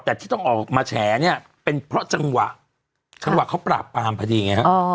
แต่ที่ต้องออกมาแฉเนี่ยเป็นเพราะจังหวะจังหวะเขาปราบปรามพอดีไงฮะ